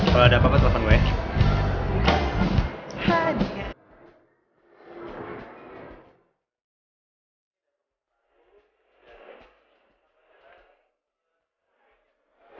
kalau ada apa apa silahkan gue ya